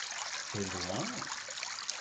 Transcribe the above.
c'est loin.